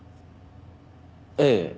ええ。